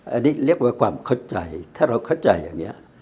อันนี้เรียกว่าความเข้าใจถ้าเราเข้าใจอันนี้